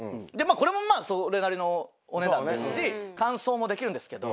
これもそれなりのお値段ですし乾燥もできるんですけど。